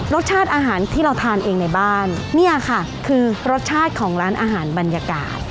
รสชาติอาหารที่เราทานเองในบ้านเนี่ยค่ะคือรสชาติของร้านอาหารบรรยากาศ